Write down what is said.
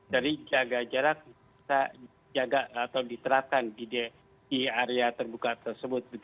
jadi jaga jarak jaga atau diterapkan di area terbuka tersebut